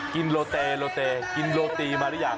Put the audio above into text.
โลเตโลเตกินโรตีมาหรือยัง